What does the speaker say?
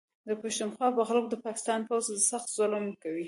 د پښتونخوا په خلکو د پاکستان پوځ سخت ظلم کوي